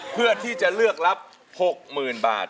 เพื่อยจะเปิดเลือกรับ๖หมื่นบาท